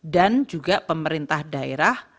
dan juga pemerintah daerah